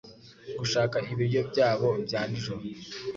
Gushaka ibiryo byabo bya nijoro.